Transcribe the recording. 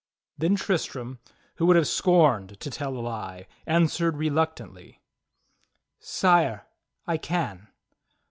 ^" Then Tristram, who would have scorned to tell a lie, an swered reluctantly: "Sire, I can."